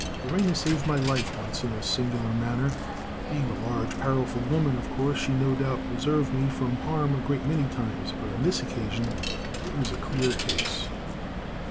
"Lorena saved my life once in a singular manner. Being a large, powerful woman, of course she no doubt preserved me from harm a great many times; but on this occasion it was a clear case.